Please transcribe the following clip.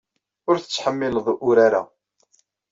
Ur tettḥemmileḍ urar-a.